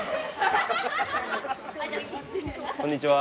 こんにちは。